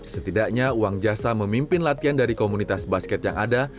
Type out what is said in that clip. setidaknya uang jasa memimpin latihan dari komunitas basket yang ada